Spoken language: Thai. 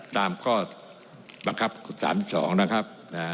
ตามข้อบังคับ๓๒นะครับ